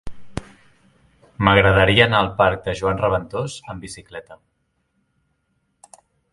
M'agradaria anar al parc de Joan Reventós amb bicicleta.